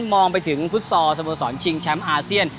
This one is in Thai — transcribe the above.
มองไปถึงฟุตซอลสโมสรชิงแชมป์อาเซียน